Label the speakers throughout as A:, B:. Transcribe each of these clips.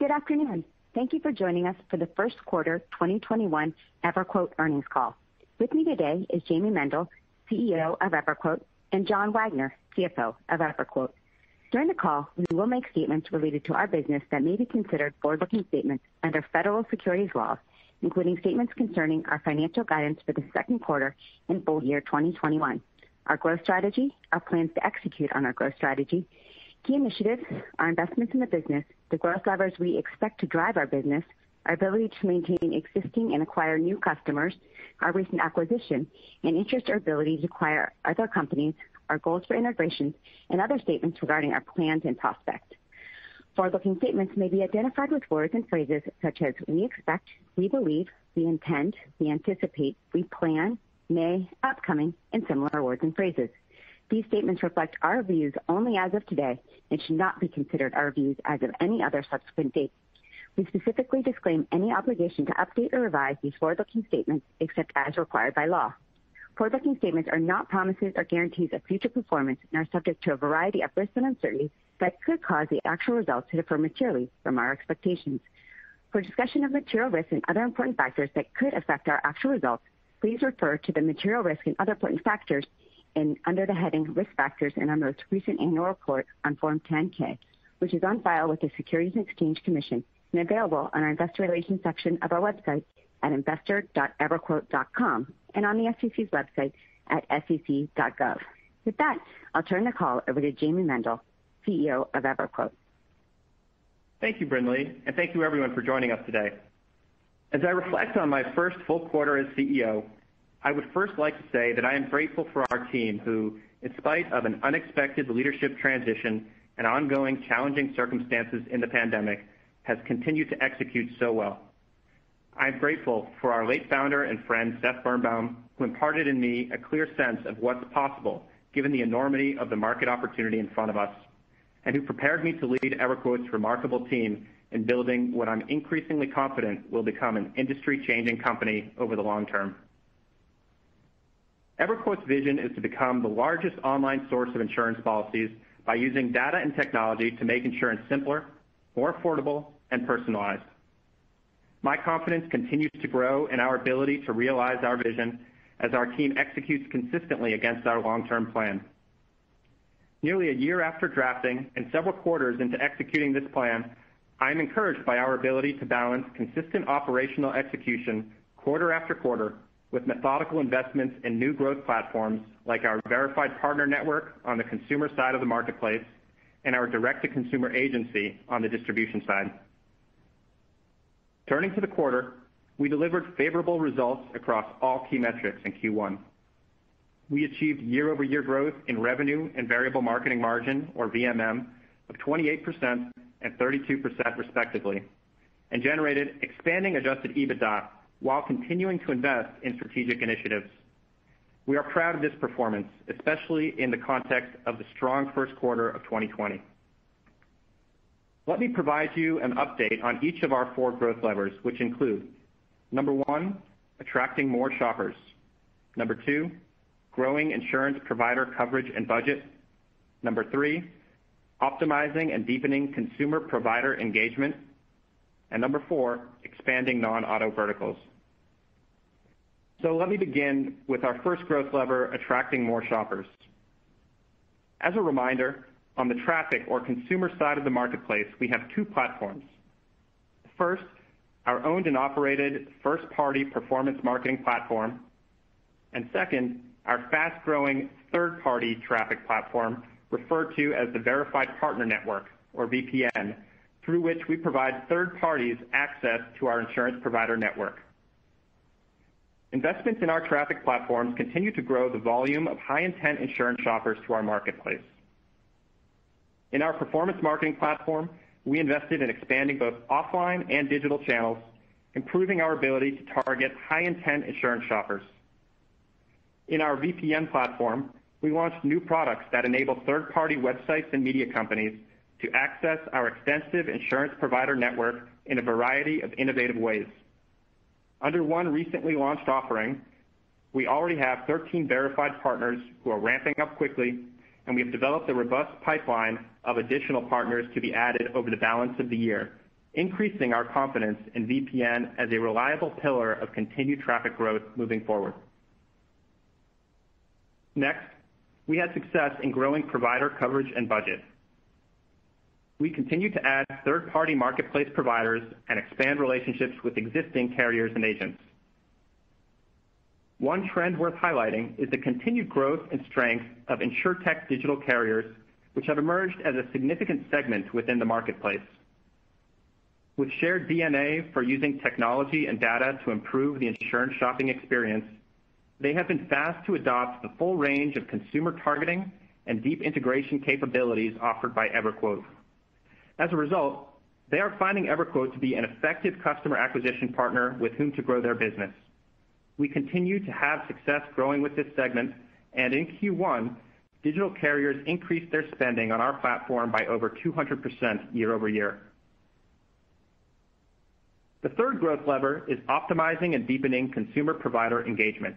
A: Good afternoon. Thank you for joining us for the first quarter 2021 EverQuote earnings call. With me today is Jayme Mendal, CEO of EverQuote, and John Wagner, CFO of EverQuote. During the call, we will make statements related to our business that may be considered forward-looking statements under federal securities laws, including statements concerning our financial guidance for the second quarter and full year 2021, our growth strategy, our plans to execute on our growth strategy, key initiatives, our investments in the business, the growth levers we expect to drive our business, our ability to maintain existing and acquire new customers, our recent acquisition, and interest or ability to acquire other companies, our goals for integration, and other statements regarding our plans and prospects. Forward-looking statements may be identified with words and phrases such as "we expect," "we believe," "we intend," "we anticipate," "we plan," "may," "upcoming," and similar words and phrases. These statements reflect our views only as of today and should not be considered our views as of any other subsequent date. We specifically disclaim any obligation to update or revise these forward-looking statements except as required by law. Forward-looking statements are not promises or guarantees of future performance and are subject to a variety of risks and uncertainties that could cause the actual results to differ materially from our expectations. For a discussion of material risks and other important factors that could affect our actual results, please refer to the material risks and other important factors under the heading Risk Factors in our most recent annual report on Form 10-K, which is on file with the Securities and Exchange Commission and available on our investor relations section of our website at investor.everquote.com and on the SEC's website at sec.gov. With that, I'll turn the call over to Jayme Mendal, CEO of EverQuote.
B: Thank you, Brinlea, and thank you, everyone, for joining us today. As I reflect on my first full quarter as CEO, I would first like to say that I am grateful for our team, who, in spite of an unexpected leadership transition and ongoing challenging circumstances in the pandemic, has continued to execute so well. I am grateful for our late founder and friend, Seth Birnbaum, who imparted in me a clear sense of what's possible given the enormity of the market opportunity in front of us, and who prepared me to lead EverQuote's remarkable team in building what I'm increasingly confident will become an industry-changing company over the long term. EverQuote's vision is to become the largest online source of insurance policies by using data and technology to make insurance simpler, more affordable, and personalized. My confidence continues to grow in our ability to realize our vision as our team executes consistently against our long-term plan. Nearly a year after drafting and several quarters into executing this plan, I am encouraged by our ability to balance consistent operational execution quarter-after-quarter with methodical investments in new growth platforms like our Verified Partner Network on the consumer side of the marketplace and our direct-to-consumer agency on the distribution side. Turning to the quarter, we delivered favorable results across all key metrics in Q1. We achieved year-over-year growth in revenue and variable marketing margin, or VMM, of 28% and 32% respectively, and generated expanding adjusted EBITDA while continuing to invest in strategic initiatives. We are proud of this performance, especially in the context of the strong first quarter of 2020. Let me provide you an update on each of our four growth levers, which include, number one, attracting more shoppers, number two, growing insurance provider coverage and budget, number three, optimizing and deepening consumer provider engagement, and number four, expanding non-auto verticals. Let me begin with our first growth lever, attracting more shoppers. As a reminder, on the traffic or consumer side of the marketplace, we have two platforms. First, our owned and operated first-party performance marketing platform, and second, our fast-growing third-party traffic platform, referred to as the Verified Partner Network or VPN, through which we provide third parties access to our insurance provider network. Investments in our traffic platforms continue to grow the volume of high-intent insurance shoppers to our marketplace. In our performance marketing platform, we invested in expanding both offline and digital channels, improving our ability to target high-intent insurance shoppers. In our VPN platform, we launched new products that enable third-party websites and media companies to access our extensive insurance provider network in a variety of innovative ways. Under one recently launched offering, we already have 13 verified partners who are ramping up quickly, and we have developed a robust pipeline of additional partners to be added over the balance of the year, increasing our confidence in VPN as a reliable pillar of continued traffic growth moving forward. Next, we had success in growing provider coverage and budget. We continued to add third-party marketplace providers and expand relationships with existing carriers and agents. One trend worth highlighting is the continued growth and strength of InsurTech digital carriers, which have emerged as a significant segment within the marketplace. With shared DNA for using technology and data to improve the insurance shopping experience, they have been fast to adopt the full range of consumer targeting and deep integration capabilities offered by EverQuote. As a result, they are finding EverQuote to be an effective customer acquisition partner with whom to grow their business. We continue to have success growing with this segment, and in Q1, digital carriers increased their spending on our platform by over 200% year-over-year. The third growth lever is optimizing and deepening consumer provider engagement.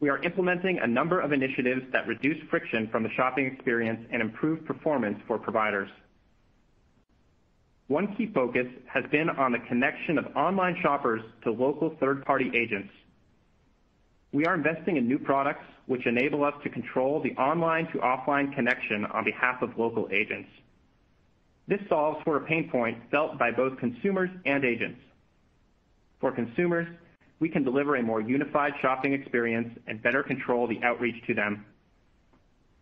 B: We are implementing a number of initiatives that reduce friction from the shopping experience and improve performance for providers. One key focus has been on the connection of online shoppers to local third-party agents. We are investing in new products which enable us to control the online to offline connection on behalf of local agents. This solves for a pain point felt by both consumers and agents. For consumers, we can deliver a more unified shopping experience and better control the outreach to them.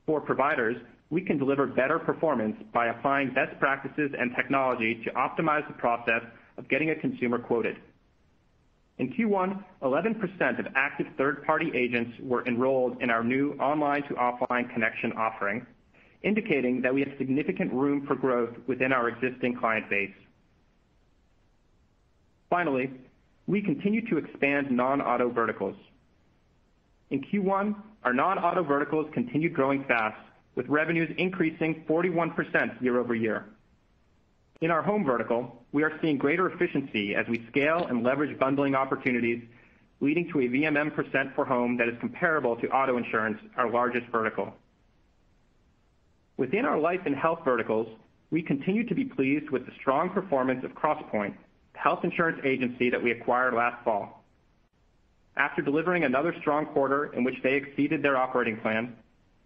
B: For providers, we can deliver better performance by applying best practices and technology to optimize the process of getting a consumer quoted. In Q1, 11% of active third-party agents were enrolled in our new online to offline connection offering, indicating that we have significant room for growth within our existing client base. Finally, we continue to expand non-auto verticals. In Q1, our non-auto verticals continued growing fast, with revenues increasing 41% year-over-year. In our home vertical, we are seeing greater efficiency as we scale and leverage bundling opportunities, leading to a VMM% for home that is comparable to auto insurance, our largest vertical. Within our life and health verticals, we continue to be pleased with the strong performance of Crosspointe, the health insurance agency that we acquired last fall. After delivering another strong quarter in which they exceeded their operating plan,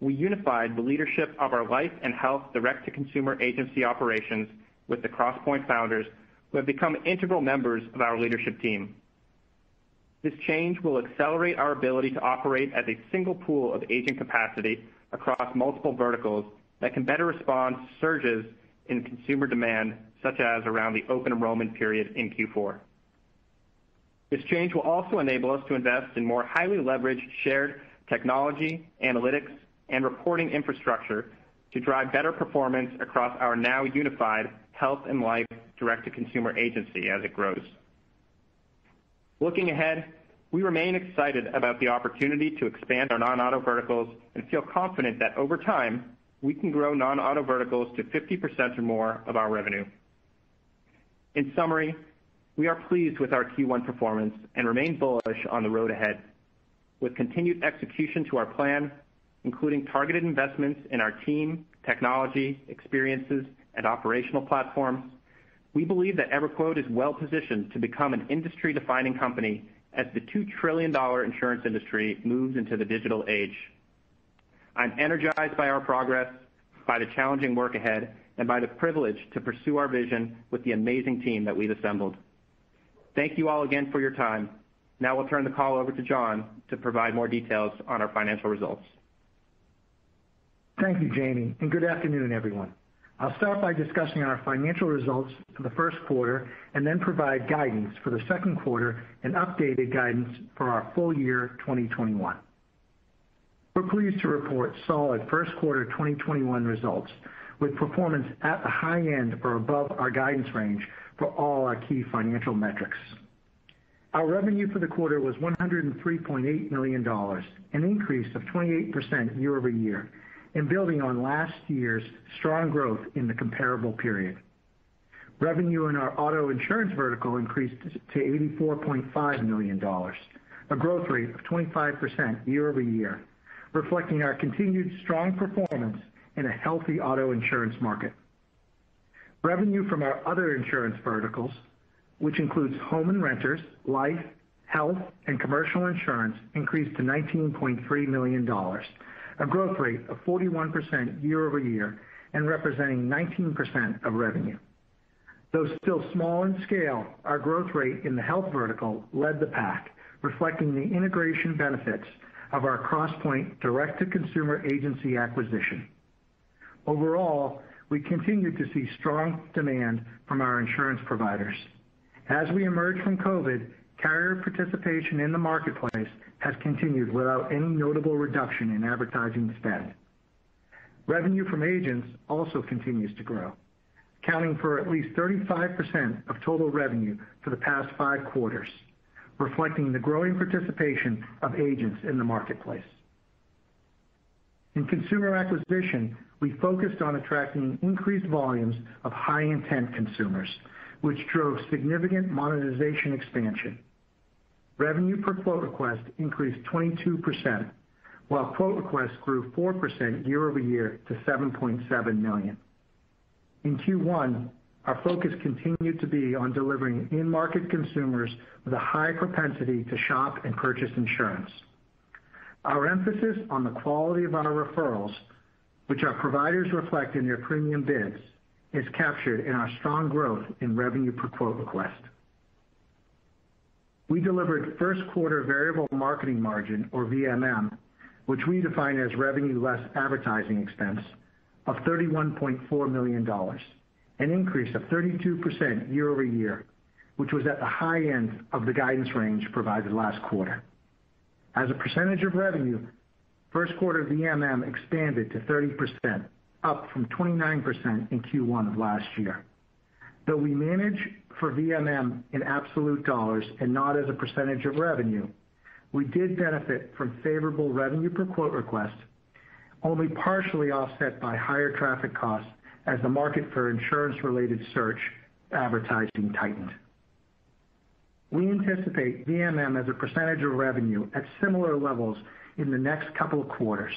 B: we unified the leadership of our life and health direct-to-consumer agency operations with the Crosspointe founders, who have become integral members of our leadership team. This change will accelerate our ability to operate as a single pool of agent capacity across multiple verticals that can better respond to surges in consumer demand, such as around the open enrollment period in Q4. This change will also enable us to invest in more highly leveraged, shared technology, analytics, and reporting infrastructure to drive better performance across our now unified health and life direct-to-consumer agency as it grows. Looking ahead, we remain excited about the opportunity to expand our non-auto verticals and feel confident that over time, we can grow non-auto verticals to 50% or more of our revenue. In summary, we are pleased with our Q1 performance and remain bullish on the road ahead. With continued execution to our plan, including targeted investments in our team, technology, experiences, and operational platforms, we believe that EverQuote is well-positioned to become an industry-defining company as the $2 trillion insurance industry moves into the digital age. I'm energized by our progress, by the challenging work ahead, and by the privilege to pursue our vision with the amazing team that we've assembled. Thank you all again for your time. Now I'll turn the call over to John to provide more details on our financial results.
C: Thank you, Jayme, and good afternoon, everyone. I'll start by discussing our financial results for the first quarter and then provide guidance for the second quarter and updated guidance for our full year 2021. We're pleased to report solid first quarter 2021 results, with performance at the high end or above our guidance range for all our key financial metrics. Our revenue for the quarter was $103.8 million, an increase of 28% year-over-year, building on last year's strong growth in the comparable period. Revenue in our auto insurance vertical increased to $84.5 million, a growth rate of 25% year-over-year, reflecting our continued strong performance in a healthy auto insurance market. Revenue from our other insurance verticals, which includes home and renters, life, health, and commercial insurance, increased to $19.3 million, a growth rate of 41% year-over-year, representing 19% of revenue. Though still small in scale, our growth rate in the health vertical led the pack, reflecting the integration benefits of our Crosspointe direct to consumer agency acquisition. Overall, we continued to see strong demand from our insurance providers. As we emerge from COVID, carrier participation in the marketplace has continued without any notable reduction in advertising spend. Revenue from agents also continues to grow, accounting for at least 35% of total revenue for the past five quarters, reflecting the growing participation of agents in the marketplace. In consumer acquisition, we focused on attracting increased volumes of high-intent consumers, which drove significant monetization expansion. Revenue per quote request increased 22%, while quote requests grew 4% year-over-year to $7.7 million. In Q1, our focus continued to be on delivering in-market consumers with a high propensity to shop and purchase insurance. Our emphasis on the quality of our referrals, which our providers reflect in their premium bids, is captured in our strong growth in revenue per quote request. We delivered first quarter variable marketing margin, or VMM, which we define as revenue less advertising expense, of $31.4 million, an increase of 32% year-over-year, which was at the high end of the guidance range provided last quarter. As a percentage of revenue, first quarter VMM expanded to 30%, up from 29% in Q1 of last year. Though we manage for VMM in absolute dollars and not as a percentage of revenue, we did benefit from favorable revenue per quote request, only partially offset by higher traffic costs as the market for insurance-related search advertising tightened. We anticipate VMM as a percentage of revenue at similar levels in the next couple of quarters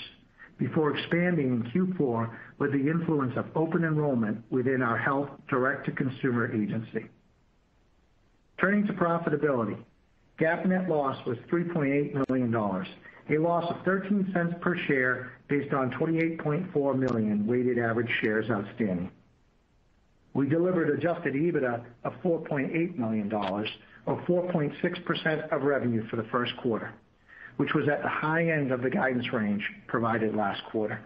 C: before expanding in Q4 with the influence of open enrollment within our health direct-to-consumer agency. Turning to profitability, GAAP net loss was $3.8 million. A loss of $0.13 per share based on 28.4 million weighted average shares outstanding. We delivered adjusted EBITDA of $4.8 million or 4.6% of revenue for the first quarter, which was at the high end of the guidance range provided last quarter.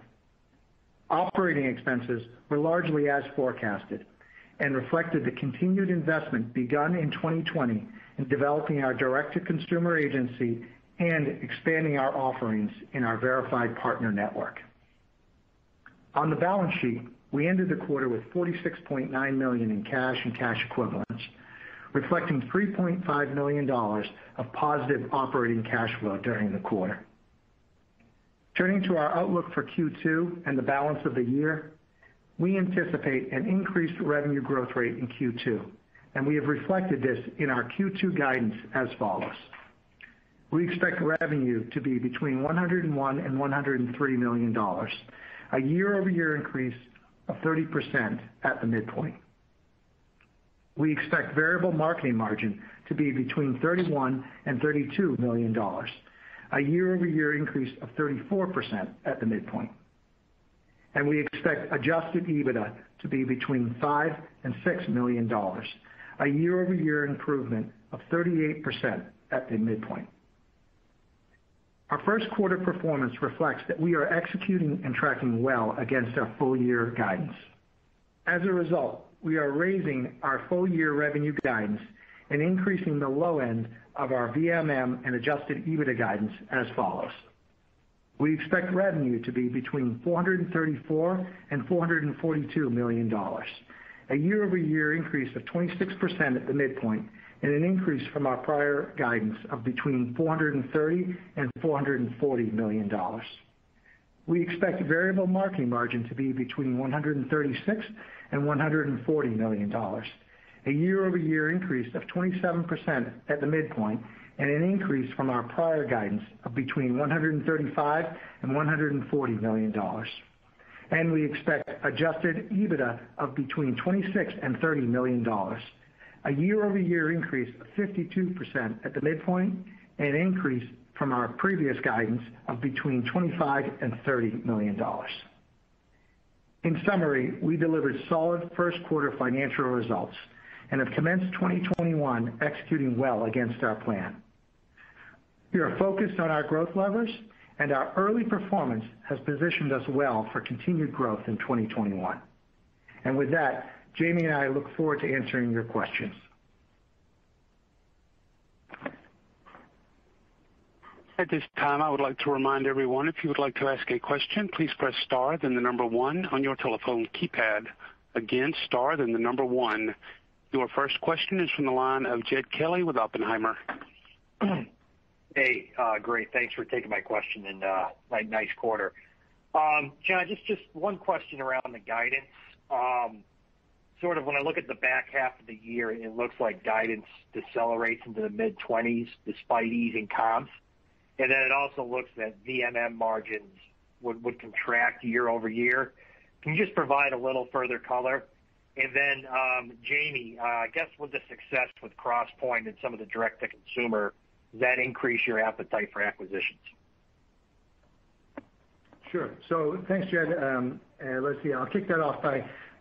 C: Operating expenses were largely as forecasted and reflected the continued investment begun in 2020 in developing our direct-to-consumer agency and expanding our offerings in our Verified Partner Network. On the balance sheet, we ended the quarter with $46.9 million in cash and cash equivalents, reflecting $3.5 million of positive operating cash flow during the quarter. Turning to our outlook for Q2 and the balance of the year, we anticipate an increased revenue growth rate in Q2, and we have reflected this in our Q2 guidance as follows. We expect revenue to be between $101 million-$103 million, a year-over-year increase of 30% at the midpoint. We expect variable marketing margin to be between $31 million-$32 million, a year-over-year increase of 34% at the midpoint. We expect adjusted EBITDA to be between $5 million-$6 million, a year-over-year improvement of 38% at the midpoint. Our first quarter performance reflects that we are executing and tracking well against our full-year guidance. As a result, we are raising our full-year revenue guidance and increasing the low end of our VMM and adjusted EBITDA guidance as follows. We expect revenue to be between $434 million and $442 million, a year-over-year increase of 26% at the midpoint, and an increase from our prior guidance of between $430 million and $440 million. We expect variable marketing margin to be between $136 million and $140 million, a year-over-year increase of 27% at the midpoint, and an increase from our prior guidance of between $135 million and $140 million. We expect adjusted EBITDA of between $26 million and $30 million, a year-over-year increase of 52% at the midpoint, an increase from our previous guidance of between $25 million and $30 million. In summary, we delivered solid first quarter financial results and have commenced 2021 executing well against our plan. We are focused on our growth levers, and our early performance has positioned us well for continued growth in 2021. With that, Jayme and I look forward to answering your questions.
D: At this time, I would like to remind everyone, if you would like to ask a question, please press star, then the number one on your telephone keypad. Again, star, then the number one. Your first question is from the line of Jed Kelly with Oppenheimer.
E: Hey, great. Thanks for taking my question and nice quarter. John, just one question around the guidance. Sort of when I look at the back half of the year, it looks like guidance decelerates into the mid-20s despite easing comps. It also looks that VMM margins would contract year-over-year. Can you just provide a little further color? Jayme, I guess with the success with Crosspointe and some of the direct-to-consumer, does that increase your appetite for acquisitions?
C: Sure. Thanks, Jed. Let's see. I'll kick that off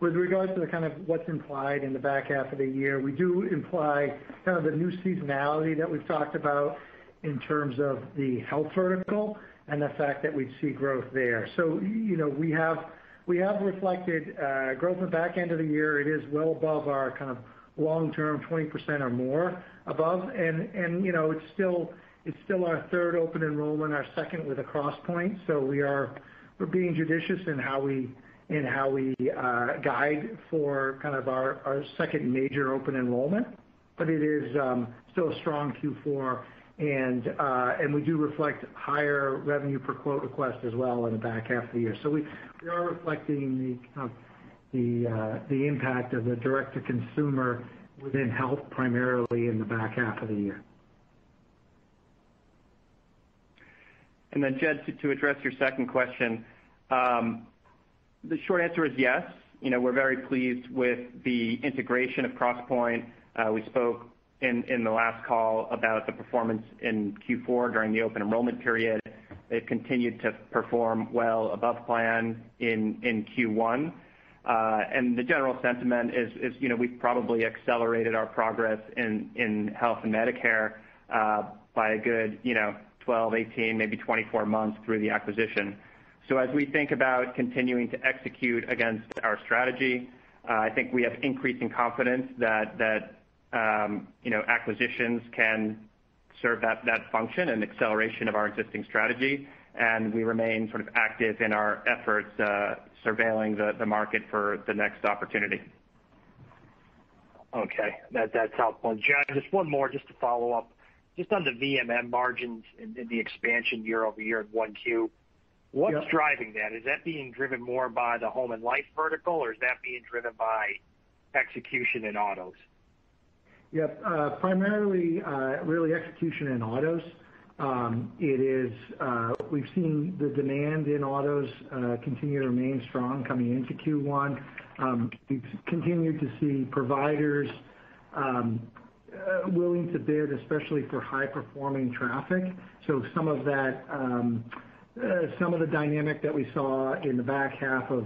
C: with regards to the kind of what's implied in the back half of the year, we do imply kind of the new seasonality that we've talked about in terms of the health vertical and the fact that we'd see growth there. We have reflected growth in the back end of the year. It is well above our kind of long-term 20% or more above, and it's still our third open enrollment, our second with a Crosspointe. We're being judicious in how we guide for kind of our second major open enrollment. It is still a strong Q4, and we do reflect higher revenue per quote request as well in the back half of the year. We are reflecting the impact of the direct-to-consumer within health, primarily in the back half of the year.
B: Jed, to address your second question, the short answer is yes. We're very pleased with the integration of Crosspointe. We spoke in the last call about the performance in Q4 during the open enrollment period. It continued to perform well above plan in Q1. The general sentiment is we've probably accelerated our progress in health and Medicare, by a good 12 months, 18 months, maybe 24 months through the acquisition. As we think about continuing to execute against our strategy, I think we have increasing confidence that acquisitions can serve that function and acceleration of our existing strategy, and we remain sort of active in our efforts, surveilling the market for the next opportunity.
E: Okay. That's helpful. John, just one more just to follow up. Just on the VMM margins in the expansion year-over-year in 1Q.
C: Yeah.
E: What's driving that? Is that being driven more by the home and life vertical, or is that being driven by execution in autos?
C: Yep. Primarily, really execution in autos. We've seen the demand in autos continue to remain strong coming into Q1. We've continued to see providers willing to bid, especially for high-performing traffic. Some of the dynamic that we saw in the back half of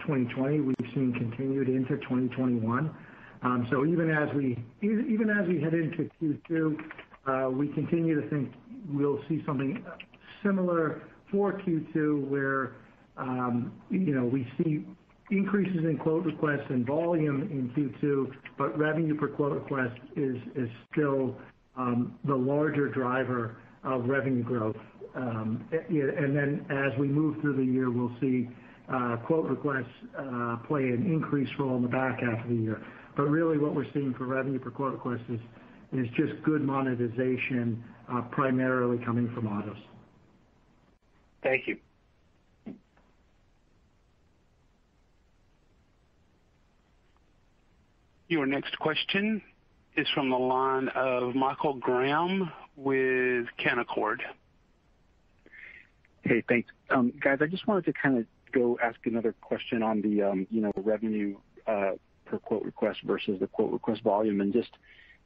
C: 2020, we've seen continued into 2021. Even as we head into Q2, we continue to think we'll see something similar for Q2, where we see increases in quote requests and volume in Q2, but revenue per quote request is still the larger driver of revenue growth. As we move through the year, we'll see quote requests play an increased role in the back half of the year. Really what we're seeing for revenue per quote request is just good monetization, primarily coming from autos.
E: Thank you.
D: Your next question is from the line of Michael Graham with Canaccord.
F: Hey, thanks. Guys, I just wanted to go ask another question on the revenue per quote request versus the quote request volume, and just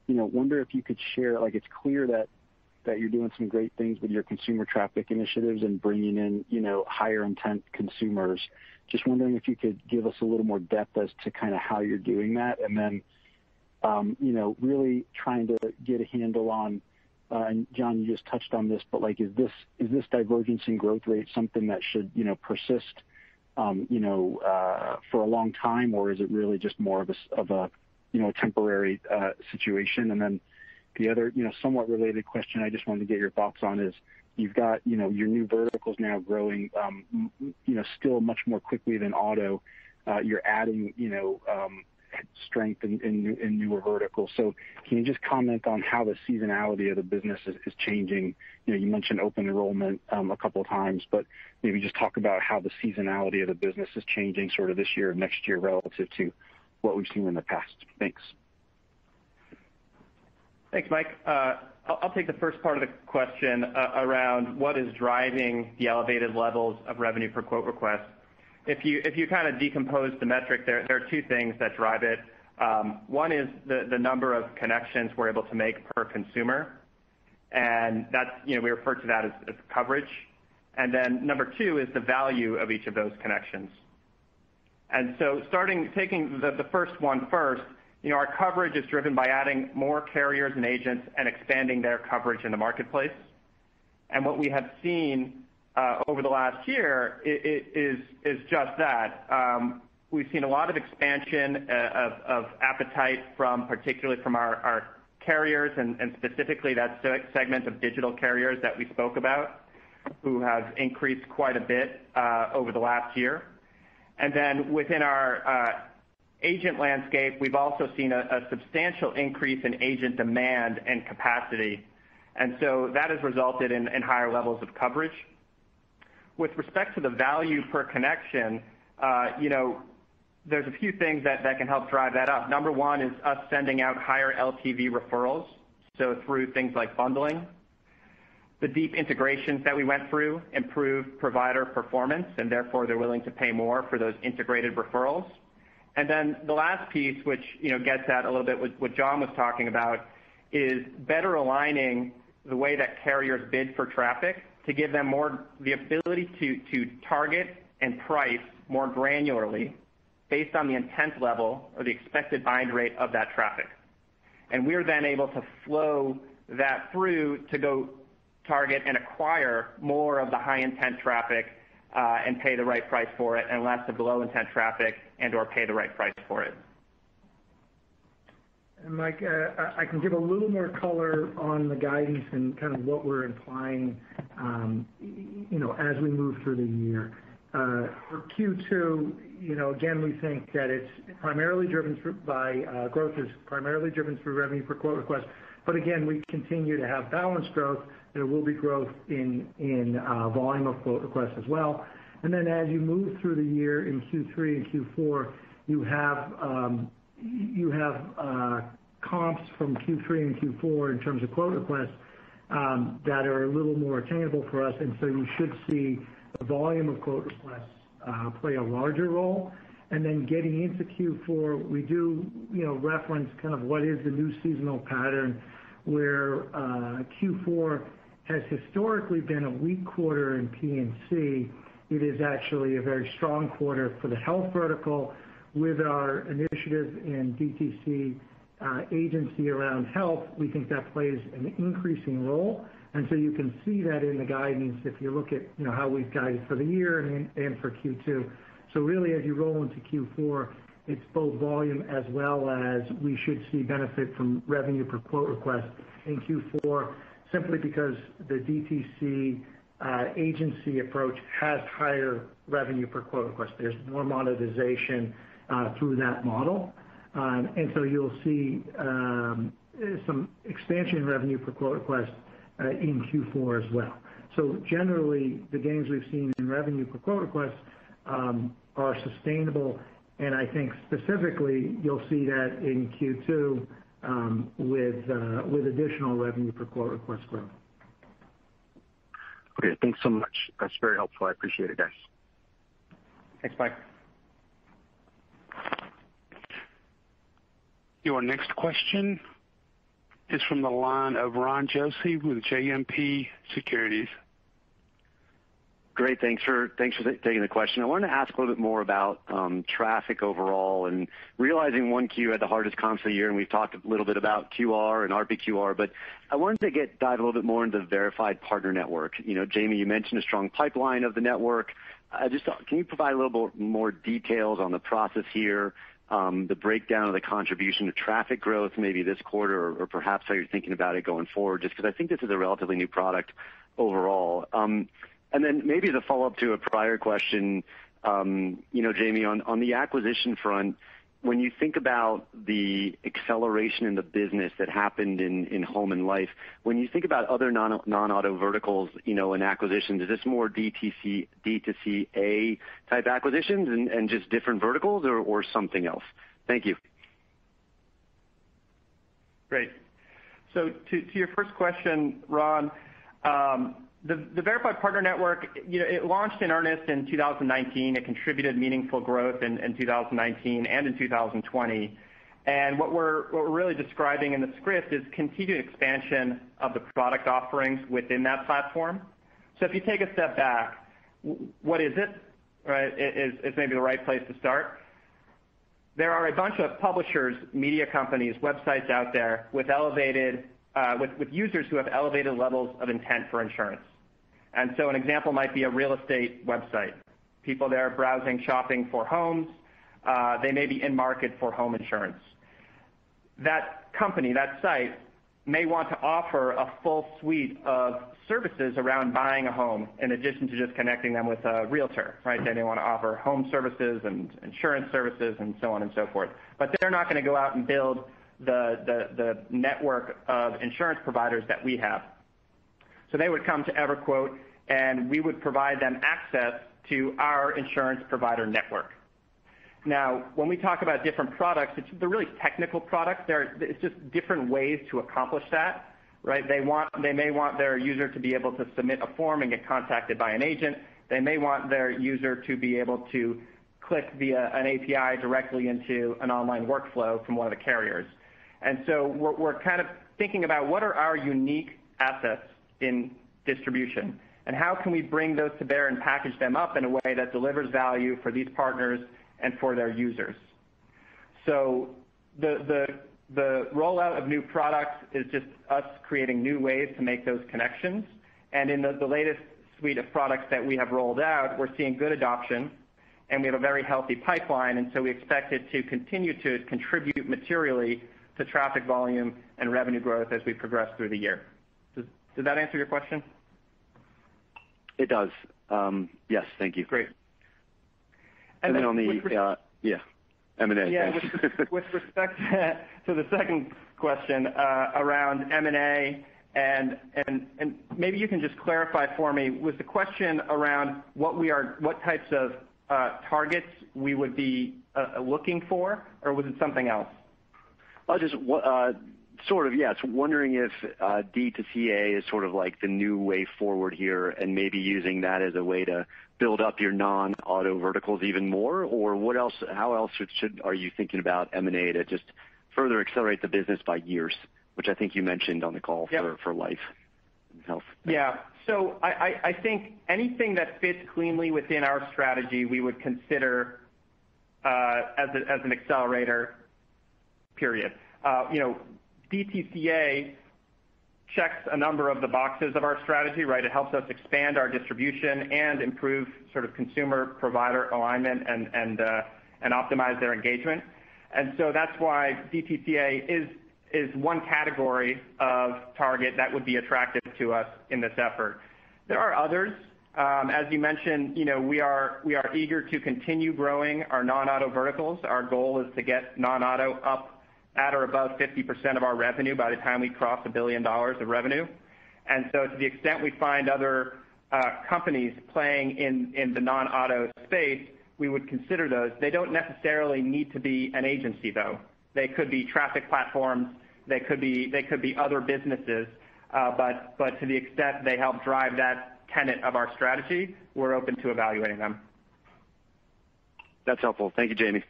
F: wonder if you could share, it's clear that you're doing some great things with your consumer traffic initiatives and bringing in higher intent consumers. Just wondering if you could give us a little more depth as to how you're doing that. Really trying to get a handle on, and John, you just touched on this, but is this divergence in growth rate something that should persist for a long time, or is it really just more of a temporary situation? The other somewhat related question I just wanted to get your thoughts on is, you've got your new verticals now growing still much more quickly than auto. You're adding strength in newer verticals. Can you just comment on how the seasonality of the business is changing? You mentioned open enrollment a couple of times, but maybe just talk about how the seasonality of the business is changing this year or next year relative to what we've seen in the past? Thanks.
B: Thanks, Mike. I'll take the first part of the question around what is driving the elevated levels of revenue per quote request. If you decompose the metric, there are two things that drive it. One is the number of connections we're able to make per consumer, and we refer to that as coverage. Number two is the value of each of those connections. Taking the first one first, our coverage is driven by adding more carriers and agents and expanding their coverage in the marketplace. What we have seen over the last year is just that. We've seen a lot of expansion of appetite particularly from our carriers, and specifically that segment of digital carriers that we spoke about, who have increased quite a bit over the last year. Within our agent landscape, we've also seen a substantial increase in agent demand and capacity. That has resulted in higher levels of coverage. With respect to the value per connection, there's a few things that can help drive that up. Number one is us sending out higher LTV referrals, so through things like bundling. The deep integrations that we went through improved provider performance, and therefore they're willing to pay more for those integrated referrals. The last piece, which gets at a little bit what John was talking about, is better aligning the way that carriers bid for traffic to give them more the ability to target and price more granularly based on the intent level or the expected bind rate of that traffic. We are then able to flow that through to go target and acquire more of the high-intent traffic, and pay the right price for it, and less of low-intent traffic and/or pay the right price for it.
C: Mike, I can give a little more color on the guidance and kind of what we're implying as we move through the year. For Q2, again, we think that growth is primarily driven through revenue per quote request. Again, we continue to have balanced growth. There will be growth in volume of quote requests as well. As you move through the year in Q3 and Q4, you have comps from Q3 and Q4 in terms of quote requests that are a little more attainable for us. You should see the volume of quote requests play a larger role. Getting into Q4, we do reference what is the new seasonal pattern, where Q4 has historically been a weak quarter in P&C. It is actually a very strong quarter for the health vertical. With our initiative in DTC agency around health, we think that plays an increasing role. You can see that in the guidance if you look at how we've guided for the year and for Q2. Really, as you roll into Q4, it's both volume as well as we should see benefit from revenue per quote request in Q4, simply because the DTC agency approach has higher revenue per quote request. There's more monetization through that model. You'll see some expansion revenue per quote request in Q4 as well. Generally, the gains we've seen in revenue per quote request are sustainable, and I think specifically you'll see that in Q2 with additional revenue per quote request growth.
F: Okay, thanks so much. That's very helpful. I appreciate it, guys.
B: Thanks. Bye.
D: Your next question is from the line of Ron Josey with JMP Securities.
G: Great. Thanks for taking the question. I wanted to ask a little bit more about traffic overall, realizing 1Q had the hardest comps of the year. We've talked a little bit about QR and RPQR. I wanted to dive a little bit more into Verified Partner Network. Jayme, you mentioned a strong pipeline of the network. Can you provide a little bit more details on the process here, the breakdown of the contribution to traffic growth, maybe this quarter or perhaps how you're thinking about it going forward? Just because I think this is a relatively new product overall. Maybe the follow-up to a prior question, Jayme, on the acquisition front, when you think about the acceleration in the business that happened in home and life, when you think about other non-auto verticals, and acquisitions, is this more D2CA type acquisitions and just different verticals or something else? Thank you.
B: Great. To your first question, Ron, the Verified Partner Network, it launched in earnest in 2019. It contributed meaningful growth in 2019 and in 2020. What we're really describing in the script is continued expansion of the product offerings within that platform. If you take a step back, what is it? Is maybe the right place to start. There are a bunch of publishers, media companies, websites out there with users who have elevated levels of intent for insurance. An example might be a real estate website. People there browsing, shopping for homes, they may be in market for home insurance. That company, that site may want to offer a full suite of services around buying a home, in addition to just connecting them with a realtor. They may want to offer home services and insurance services and so on and so forth. They're not going to go out and build the network of insurance providers that we have. They would come to EverQuote, and we would provide them access to our insurance provider network. When we talk about different products, they're really technical products. It's just different ways to accomplish that. They may want their user to be able to submit a form and get contacted by an agent. They may want their user to be able to click via an API directly into an online workflow from one of the carriers. We're kind of thinking about what are our unique assets in distribution, and how can we bring those to bear and package them up in a way that delivers value for these partners and for their users. The rollout of new products is just us creating new ways to make those connections. In the latest suite of products that we have rolled out, we're seeing good adoption, and we have a very healthy pipeline, and so we expect it to continue to contribute materially to traffic volume and revenue growth as we progress through the year. Does that answer your question?
G: It does. Yes. Thank you.
B: Great.
G: And then on the-
B: With-
G: Yeah. M&A. Thanks.
B: Yeah. With respect to the second question around M&A, and maybe you can just clarify for me, was the question around what types of targets we would be looking for, or was it something else?
G: Sort of, yeah. I was wondering if D2CA is sort of like the new way forward here, and maybe using that as a way to build up your non-auto verticals even more, or how else are you thinking about M&A to just further accelerate the business by years, which I think you mentioned on the call?
B: Yep
G: For life and health.
B: Yeah. I think anything that fits cleanly within our strategy, we would consider as an accelerator. D2CA checks a number of the boxes of our strategy. It helps us expand our distribution and improve consumer-provider alignment and optimize their engagement. That's why D2CA is one category of target that would be attractive to us in this effort. There are others. As you mentioned, we are eager to continue growing our non-auto verticals. Our goal is to get non-auto up at or above 50% of our revenue by the time we cross $1 billion of revenue. To the extent we find other companies playing in the non-auto space, we would consider those. They don't necessarily need to be an agency, though. They could be traffic platforms, they could be other businesses. To the extent they help drive that tenet of our strategy, we're open to evaluating them.
G: That's helpful. Thank you, Jayme.
B: Yep.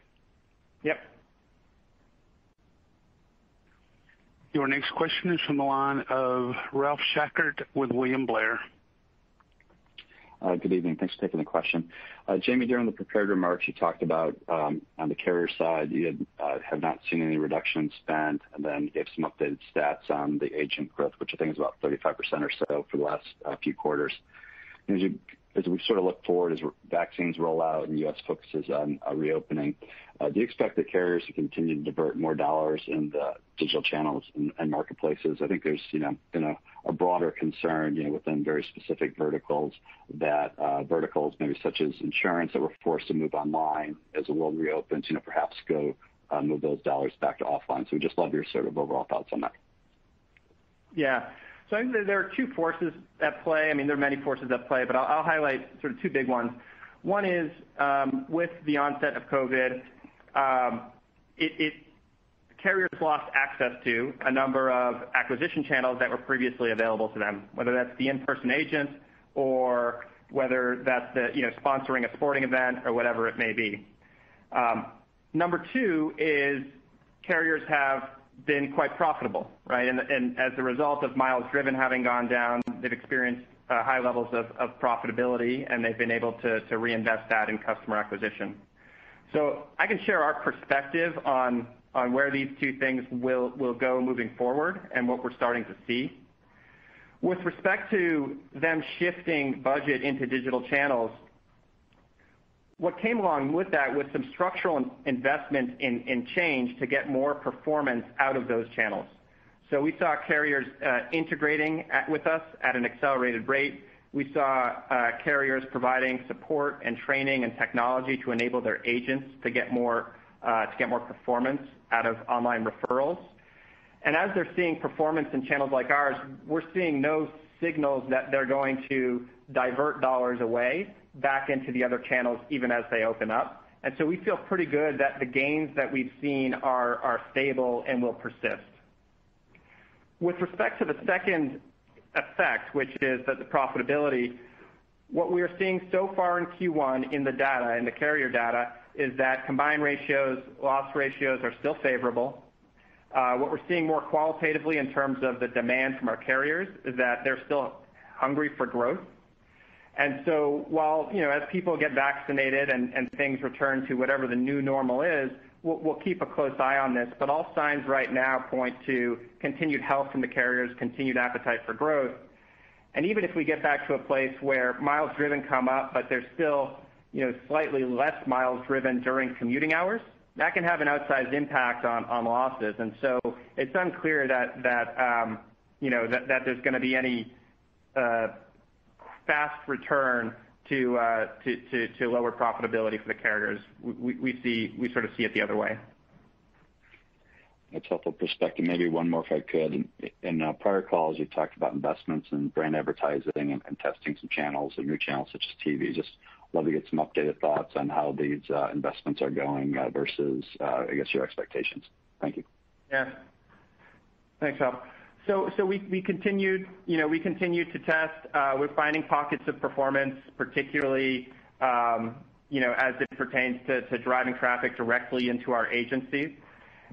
D: Your next question is from the line of Ralph Schackart with William Blair.
H: Good evening. Thanks for taking the question. Jayme, during the prepared remarks, you talked about, on the carrier side, you have not seen any reduction in spend and then gave some updated stats on the agent growth, which I think is about 35% or so for the last few quarters. As we sort of look forward as vaccines roll out and U.S. focuses on reopening, do you expect the carriers to continue to divert more dollars into digital channels and marketplaces? I think there's a broader concern within very specific verticals that verticals maybe such as insurance that were forced to move online as the world reopens, perhaps go move those dollars back to offline. We'd just love your sort of overall thoughts on that.
B: Yeah. I think there are two forces at play. I mean, there are many forces at play, but I'll highlight sort of two big ones. One is, with the onset of COVID, Carriers lost access to a number of acquisition channels that were previously available to them, whether that's the in-person agent or whether that's sponsoring a sporting event or whatever it may be. Number two is carriers have been quite profitable, right? As a result of miles driven having gone down, they've experienced high levels of profitability, and they've been able to reinvest that in customer acquisition. I can share our perspective on where these two things will go moving forward and what we're starting to see. With respect to them shifting budget into digital channels, what came along with that was some structural investment in change to get more performance out of those channels. We saw carriers integrating with us at an accelerated rate. We saw carriers providing support and training and technology to enable their agents to get more performance out of online referrals. As they're seeing performance in channels like ours, we're seeing no signals that they're going to divert dollars away back into the other channels, even as they open up. We feel pretty good that the gains that we've seen are stable and will persist. With respect to the second effect, which is that the profitability, what we are seeing so far in Q1 in the data, in the carrier data, is that combined ratios, loss ratios are still favorable. What we're seeing more qualitatively in terms of the demand from our carriers is that they're still hungry for growth. While as people get vaccinated and things return to whatever the new normal is, we'll keep a close eye on this. All signs right now point to continued health from the carriers, continued appetite for growth. Even if we get back to a place where miles driven come up, but there's still slightly less miles driven during commuting hours, that can have an outsized impact on losses. It's unclear that there's going to be any fast return to lower profitability for the carriers. We sort of see it the other way.
H: That's helpful perspective. Maybe one more if I could. In prior calls, you talked about investments in brand advertising and testing some channels, new channels such as TV. Just love to get some updated thoughts on how these investments are going versus, I guess, your expectations. Thank you.
B: Thanks, Ralph. We continue to test. We're finding pockets of performance, particularly as it pertains to driving traffic directly into our agencies.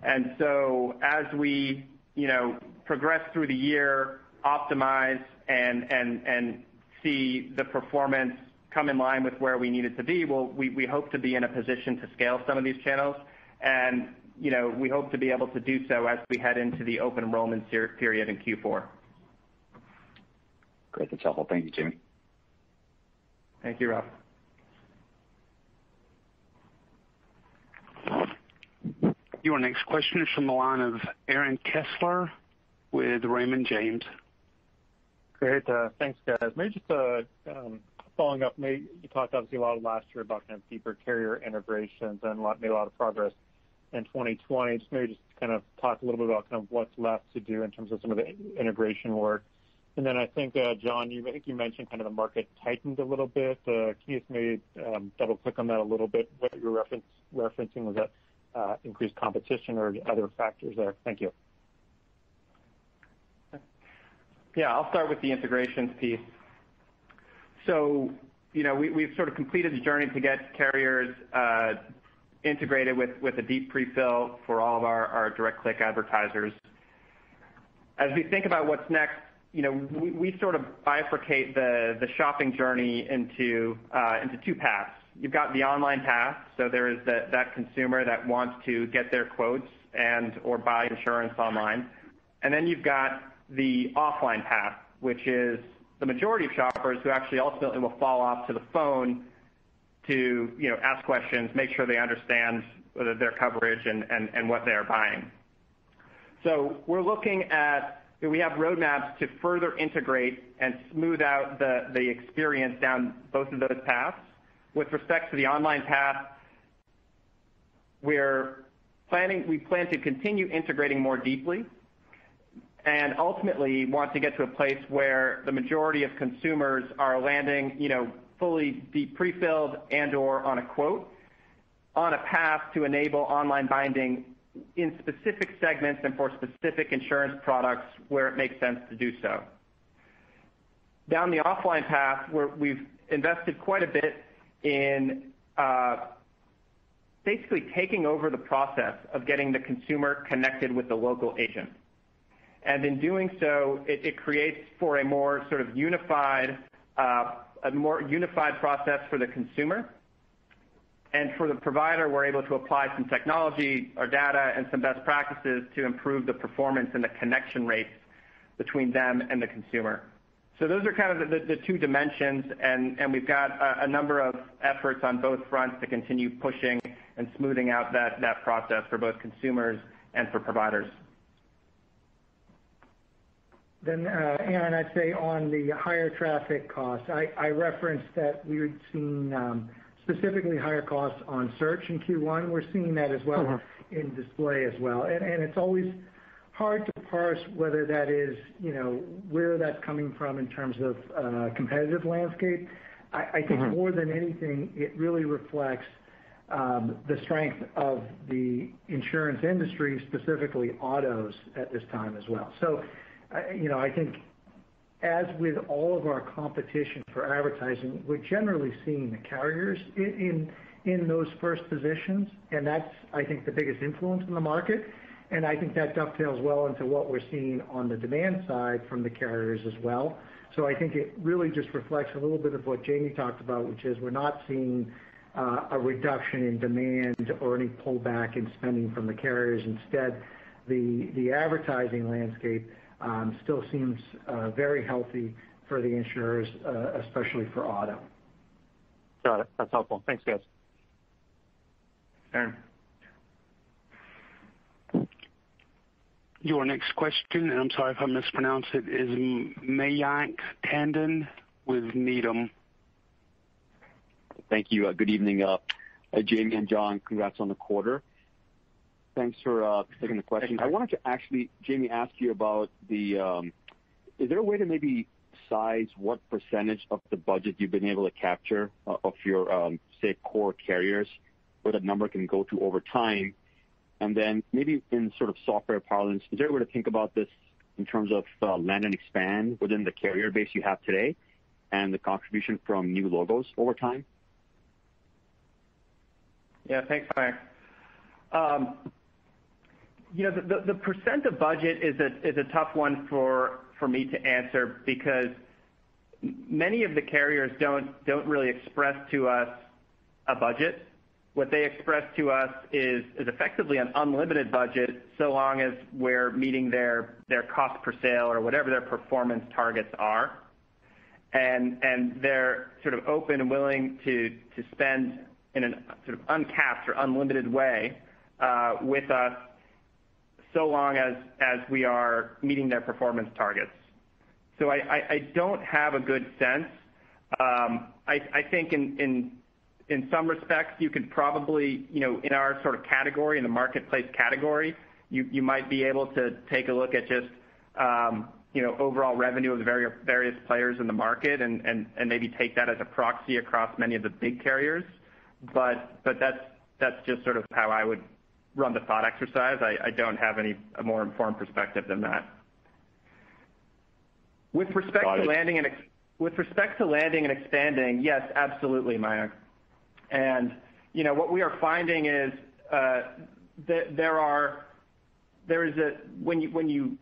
B: As we progress through the year, optimize, and see the performance come in line with where we need it to be, we hope to be in a position to scale some of these channels. We hope to be able to do so as we head into the open enrollment period in Q4.
H: Great. That's helpful. Thank you, Jayme.
B: Thank you, Ralph.
D: Your next question is from the line of Aaron Kessler with Raymond James.
I: Great. Thanks, guys. Maybe just following up, maybe you talked obviously a lot last year about deeper carrier integrations and made a lot of progress in 2020. Maybe just talk a little bit about what's left to do in terms of some of the integration work. I think John, you mentioned the market tightened a little bit. Can you maybe double-click on that a little bit? What you're referencing, was that increased competition or other factors there? Thank you.
B: I'll start with the integrations piece. We've sort of completed the journey to get carriers integrated with a deep pre-fill for all of our direct click advertisers. As we think about what's next, we sort of bifurcate the shopping journey into two paths. You've got the online path, so there is that consumer that wants to get their quotes and/or buy insurance online. Then you've got the offline path, which is the majority of shoppers who actually ultimately will fall off to the phone to ask questions, make sure they understand their coverage and what they are buying. We're looking at, do we have roadmaps to further integrate and smooth out the experience down both of those paths? With respect to the online path, we plan to continue integrating more deeply and ultimately want to get to a place where the majority of consumers are landing fully prefilled and/or on a quote on a path to enable online binding in specific segments and for specific insurance products where it makes sense to do so. Down the offline path, we've invested quite a bit in basically taking over the process of getting the consumer connected with the local agent. In doing so, it creates for a more unified process for the consumer. For the provider, we're able to apply some technology or data and some best practices to improve the performance and the connection rates between them and the consumer. Those are kind of the two dimensions, and we've got a number of efforts on both fronts to continue pushing and smoothing out that process for both consumers and for providers.
C: Aaron, I'd say on the higher traffic costs, I referenced that we're seeing specifically higher costs on search in Q1. We're seeing that as well in display as well. It's always hard to parse whether that is where that's coming from in terms of competitive landscape. I think more than anything, it really reflects the strength of the insurance industry, specifically autos at this time as well. I think as with all of our competition for advertising, we're generally seeing the carriers in those first positions, and that's, I think, the biggest influence in the market. I think that dovetails well into what we're seeing on the demand side from the carriers as well. I think it really just reflects a little bit of what Jayme talked about, which is we're not seeing a reduction in demand or any pullback in spending from the carriers. Instead, the advertising landscape still seems very healthy for the insurers, especially for auto.
I: Got it. That's helpful. Thanks, guys.
B: Aaron.
D: Your next question, and I'm sorry if I mispronounce it, is Mayank Tandon with Needham.
J: Thank you. Good evening, Jayme and John. Congrats on the quarter. Thanks for taking the question.
B: Thanks, Mayank.
J: I wanted to actually, Jayme, ask you about, is there a way to maybe size what percentage of the budget you've been able to capture of your, say, core carriers, where the number can go to over time? Maybe in sort of software parlance, is there a way to think about this in terms of land and expand within the carrier base you have today and the contribution from new logos over time?
B: Yeah. Thanks, Mayank. The percent of budget is a tough one for me to answer because many of the carriers don't really express to us a budget. What they express to us is effectively an unlimited budget, so long as we're meeting their cost per sale or whatever their performance targets are. They're sort of open and willing to spend in a sort of uncapped or unlimited way with us, so long as we are meeting their performance targets. I don't have a good sense. I think in some respects, you could probably, in our sort of category, in the marketplace category, you might be able to take a look at just overall revenue of the various players in the market and maybe take that as a proxy across many of the big carriers. That's just sort of how I would run the thought exercise. I don't have any more informed perspective than that.
J: Got it.
B: With respect to landing and expanding, yes, absolutely, Mayank. What we are finding is when you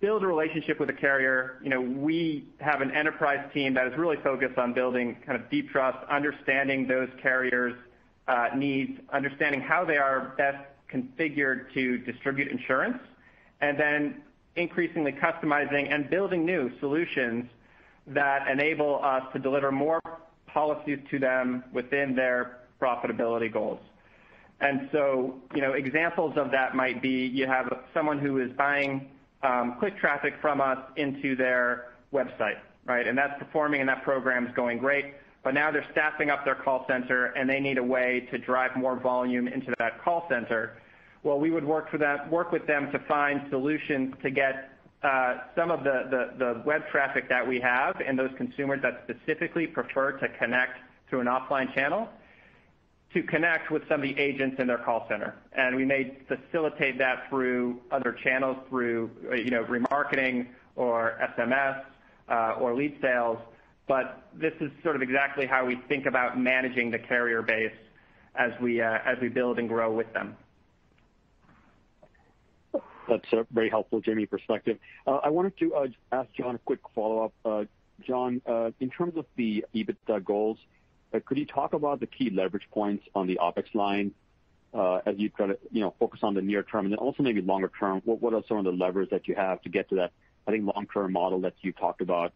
B: build a relationship with a carrier, we have an enterprise team that is really focused on building kind of deep trust, understanding those carriers' needs, understanding how they are best configured to distribute insurance, and then increasingly customizing and building new solutions that enable us to deliver more policies to them within their profitability goals. Examples of that might be you have someone who is buying click traffic from us into their website, right? That's performing and that program's going great, but now they're staffing up their call center, and they need a way to drive more volume into that call center, while we would work with them to find solutions to get some of the web traffic that we have and those consumers that specifically prefer to connect through an offline channel to connect with some of the agents in their call center. We may facilitate that through other channels, through remarketing or SMS or lead sales. This is sort of exactly how we think about managing the carrier base as we build and grow with them.
J: That's a very helpful, Jayme, perspective. I wanted to ask John a quick follow-up. John, in terms of the EBITDA goals, could you talk about the key leverage points on the OpEx line as you kind of focus on the near term and then also maybe longer term? What are some of the levers that you have to get to that, I think, long-term model that you talked about,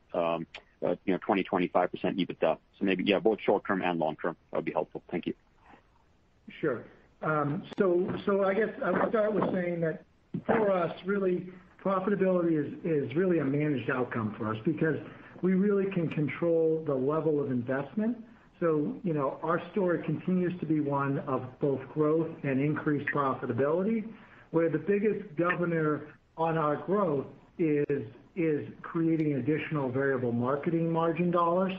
J: 20%-25% EBITDA? Maybe yeah, both short term and long term, that would be helpful. Thank you.
C: Sure. I guess I would start with saying that for us, really, profitability is really a managed outcome for us because we really can control the level of investment. Our story continues to be one of both growth and increased profitability, where the biggest governor on our growth is creating additional variable marketing margin dollars.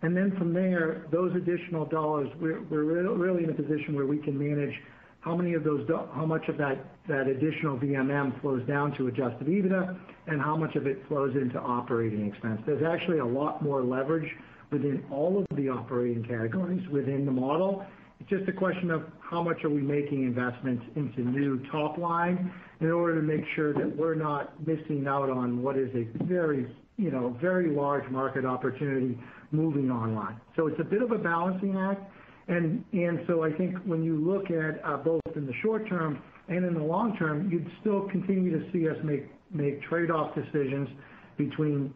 C: From there, those additional dollars, we're really in a position where we can manage how much of that additional VMM flows down to adjusted EBITDA and how much of it flows into operating expense. There's actually a lot more leverage within all of the operating categories within the model. It's just a question of how much are we making investments into new top line in order to make sure that we're not missing out on what is a very large market opportunity moving online. It's a bit of a balancing act. I think when you look at both in the short term and in the long term, you'd still continue to see us make trade-off decisions between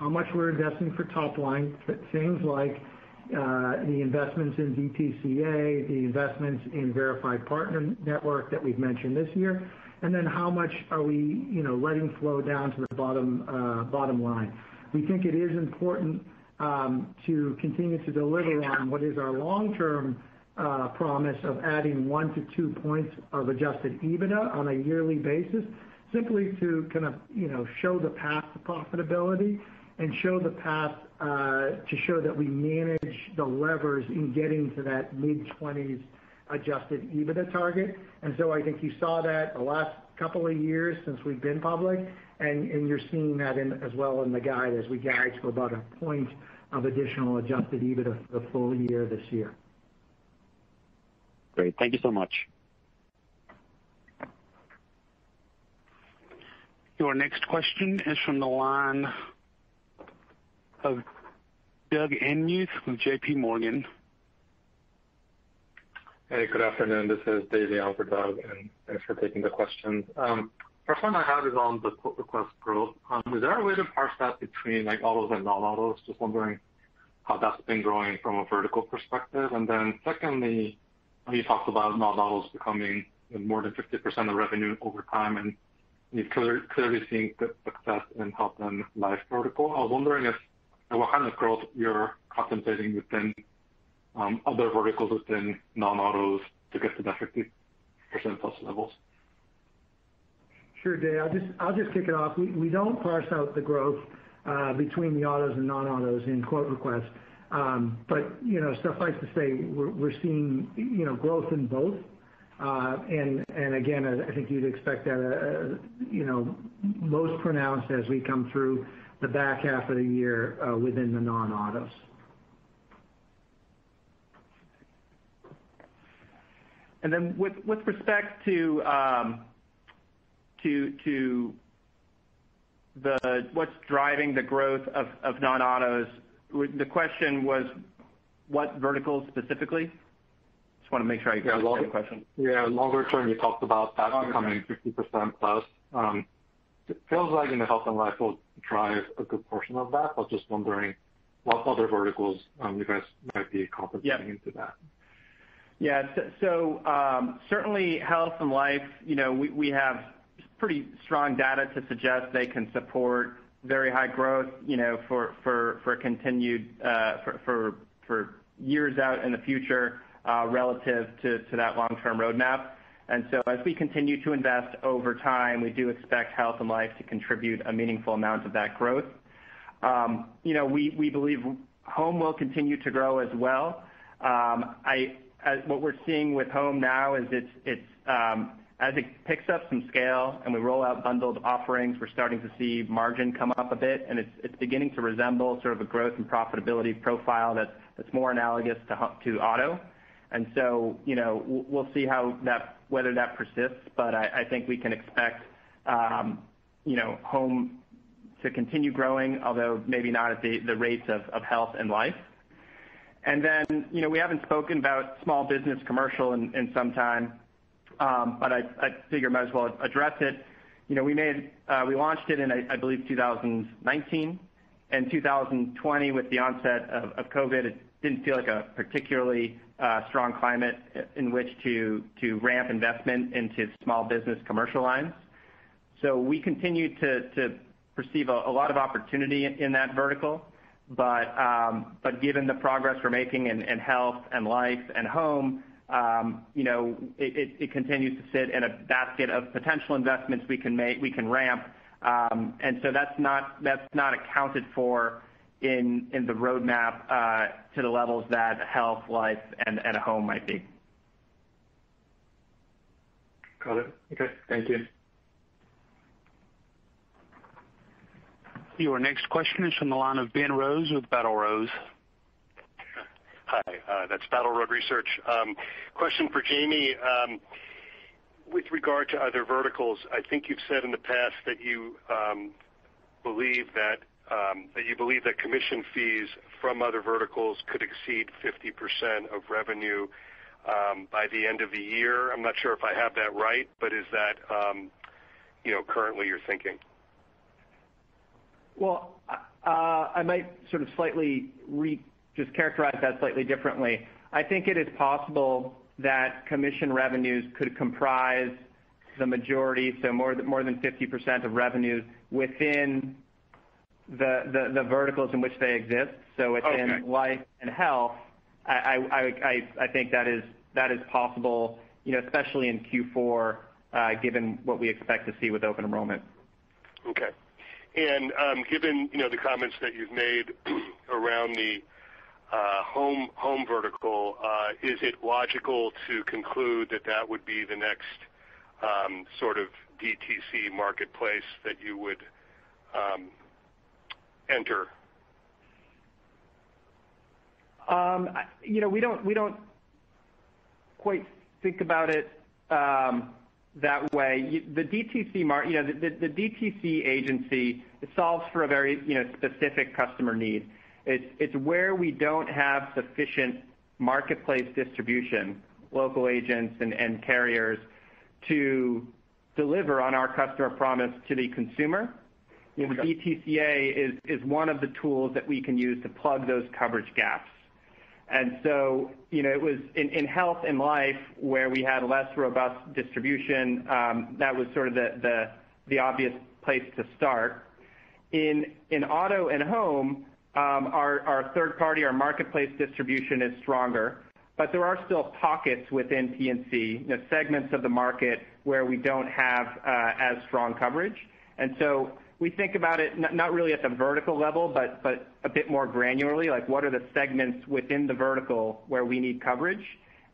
C: how much we're investing for top line for things like the investments in DTCA, the investments in Verified Partner Network that we've mentioned this year, and then how much are we letting flow down to the bottom line. We think it is important to continue to deliver on what is our long-term promise of adding one to two points of adjusted EBITDA on a yearly basis, simply to kind of show the path to profitability and show that we manage the levers in getting to that mid-20s adjusted EBITDA target. I think you saw that the last couple of years since we've been public, and you're seeing that as well in the guide as we guide to about a point of additional adjusted EBITDA for the full year this year.
J: Great. Thank you so much.
D: Your next question is from the line of Doug Anmuth with JP Morgan.
K: Hey, good afternoon. This is Dae for Doug, thanks for taking the questions. First one I had is on the quote request growth. Is there a way to parse that between autos and non-autos? Just wondering how that's been growing from a vertical perspective. Secondly, you talked about non-autos becoming more than 50% of revenue over time, and you're clearly seeing good success in health and life vertical. I was wondering what kind of growth you're contemplating within other verticals within non-autos to get to that 50%+ levels.
C: Sure, Dae. I'll just kick it off. We don't parse out the growth between the autos and non-autos in quote requests. Suffice to say, we're seeing growth in both. Again, I think you'd expect that most pronounced as we come through the back half of the year within the non-autos. With respect to what's driving the growth of non-autos, the question was what verticals specifically?
K: Longer term, you talked about that becoming 50%+. It feels like in the health and life will drive a good portion of that. I was just wondering what other verticals you guys might be contemplating into that.
B: Certainly health and life, we have pretty strong data to suggest they can support very high growth for years out in the future relative to that long-term roadmap. As we continue to invest over time, we do expect health and life to contribute a meaningful amount of that growth. We believe home will continue to grow as well. What we're seeing with home now is as it picks up some scale and we roll out bundled offerings, we're starting to see margin come up a bit, and it's beginning to resemble sort of a growth and profitability profile that's more analogous to auto. We'll see whether that persists. I think we can expect home to continue growing, although maybe not at the rates of health and life. We haven't spoken about small business commercial in some time. I figure might as well address it. We launched it in, I believe, 2019. 2020, with the onset of COVID, it didn't feel like a particularly strong climate in which to ramp investment into small business commercial lines. We continue to perceive a lot of opportunity in that vertical. Given the progress we're making in health and life and home, it continues to sit in a basket of potential investments we can ramp. That's not accounted for in the roadmap to the levels that health, life, and home might be.
K: Got it. Okay. Thank you.
D: Your next question is from the line of Ben Rose with Battle Road.
L: Hi. That's Battle Road Research. Question for Jayme. With regard to other verticals, I think you've said in the past that you believe that commission fees from other verticals could exceed 50% of revenue by the end of the year. I'm not sure if I have that right, but is that currently your thinking?
B: Well, I might just characterize that slightly differently. I think it is possible that commission revenues could comprise the majority, so more than 50% of revenues within the verticals in which they exist.
L: Okay.
B: Within life and health, I think that is possible, especially in Q4 given what we expect to see with open enrollment.
L: Okay. Given the comments that you've made around the home vertical, is it logical to conclude that that would be the next sort of DTC marketplace that you would enter?
B: We don't quite think about it that way. The DTC agency, it solves for a very specific customer need. It's where we don't have sufficient marketplace distribution, local agents, and carriers to deliver on our customer promise to the consumer.
L: Okay.
B: The DTCA is one of the tools that we can use to plug those coverage gaps. It was in health and life where we had less robust distribution. That was sort of the obvious place to start. In auto and home, our third party, our marketplace distribution is stronger, but there are still pockets within P&C, segments of the market where we don't have as strong coverage. We think about it not really at the vertical level, but a bit more granularly, like what are the segments within the vertical where we need coverage,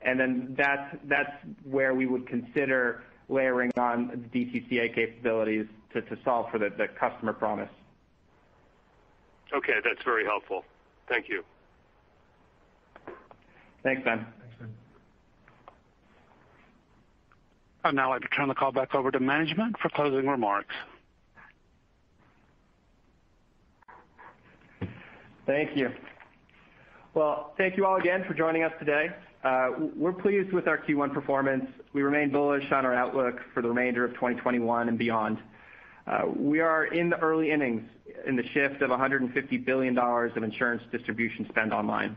B: and then that's where we would consider layering on DTCA capabilities to solve for the customer promise.
L: Okay. That's very helpful. Thank you.
B: Thanks, Ben.
C: Thanks, Ben.
D: I'd now like to turn the call back over to management for closing remarks.
B: Thank you. Well, thank you all again for joining us today. We're pleased with our Q1 performance. We remain bullish on our outlook for the remainder of 2021 and beyond. We are in the early innings in the shift of $150 billion of insurance distribution spend online.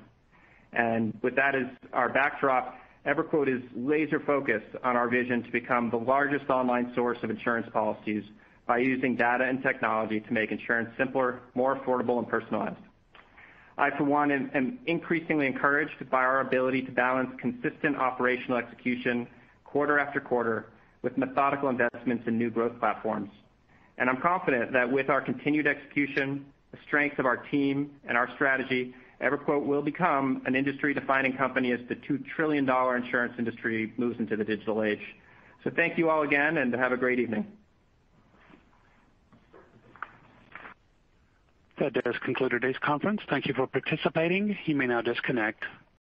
B: With that as our backdrop, EverQuote is laser focused on our vision to become the largest online source of insurance policies by using data and technology to make insurance simpler, more affordable, and personalized. I, for one, am increasingly encouraged by our ability to balance consistent operational execution quarter-after-quarter with methodical investments in new growth platforms. I'm confident that with our continued execution, the strength of our team, and our strategy, EverQuote will become an industry-defining company as the $2 trillion insurance industry moves into the digital age. Thank you all again, and have a great evening.
D: That does conclude today's conference. Thank you for participating. You may now disconnect.